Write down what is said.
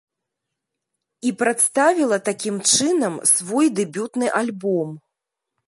І прадставіла такім чынам свой дэбютны альбом.